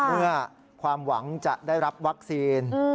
เมื่อความหวังจะได้รับวัคซีน